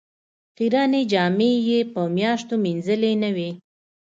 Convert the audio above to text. خیرنې جامې یې په میاشتو مینځلې نه وې.